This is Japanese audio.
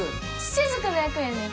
滴の役やねん。